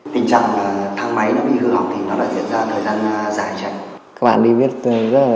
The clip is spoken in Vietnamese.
tình trạng thăm máy đã bị hư hóng thì nó đã diễn ra thời gian dài chảy